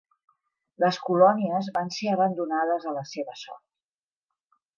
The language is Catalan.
Les colònies van ser abandonades a la seva sort.